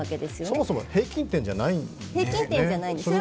そもそも平均点じゃないんですね？